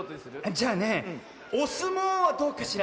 じゃあねおすもうはどうかしら？